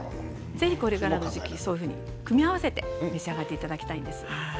ぜひこれからそういうふうに組み合わせて召し上がっていただきたいです。